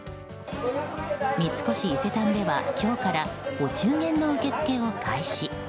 三越伊勢丹では今日からお中元の受け付けを開始。